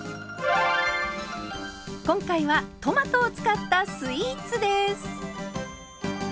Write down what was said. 今回はトマトを使ったスイーツです。